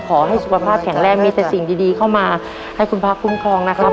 ขอให้สุขภาพแข็งแรงมีแต่สิ่งดีเข้ามาให้คุณพระคุ้มครองนะครับ